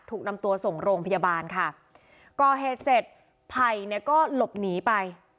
ถูกนำตัวส่งโรงพยาบาลค่ะก่อเหตุเสร็จไผ่เนี่ยก็หลบหนีไป